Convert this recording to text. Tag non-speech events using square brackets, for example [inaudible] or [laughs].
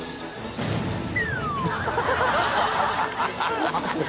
ハハハ [laughs]